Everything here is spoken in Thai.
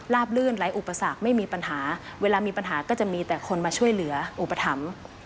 ลื่นไร้อุปสรรคไม่มีปัญหาเวลามีปัญหาก็จะมีแต่คนมาช่วยเหลืออุปถัมภ์